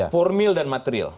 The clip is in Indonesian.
formil dan material